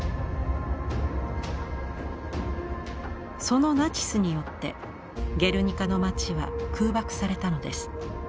そのナチスによってゲルニカの街は空爆されたのです。